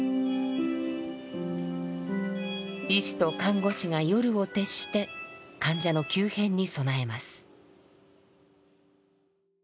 医師と看護師が夜を徹して患者の急変に備えます。